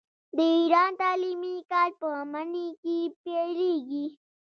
د ایران تعلیمي کال په مني کې پیلیږي.